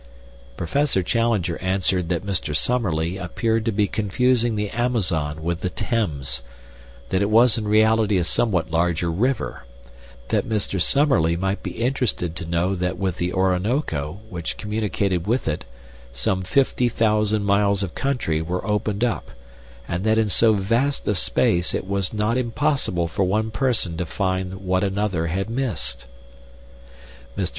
Professor Challenger answered that Mr. Summerlee appeared to be confusing the Amazon with the Thames; that it was in reality a somewhat larger river; that Mr. Summerlee might be interested to know that with the Orinoco, which communicated with it, some fifty thousand miles of country were opened up, and that in so vast a space it was not impossible for one person to find what another had missed. Mr.